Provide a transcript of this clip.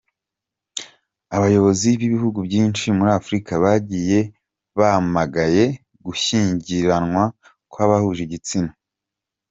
Abayobozi b’ibihugu byinshi muri Afrika, bagiye bamagaye gushyingiranwa kw’abahuje igitsina.